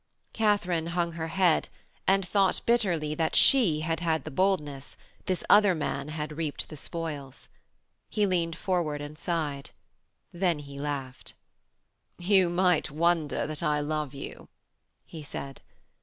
Katharine hung her head and thought bitterly that she had had the boldness; this other man reaped the spoils. He leaned forward and sighed. Then he laughed. 'You might wonder that I love you,' he said.